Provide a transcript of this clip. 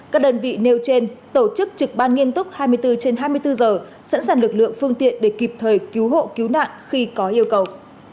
các đơn vị nêu trên tổ chức trực ban nghiêm túc hai mươi bốn trên hai mươi bốn giờ sẵn sàng lực lượng phương tiện để kịp thời cứu hộ cứu nạn khi có yêu cầu